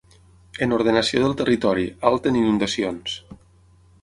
En ordenació del territori, alt en inundacions.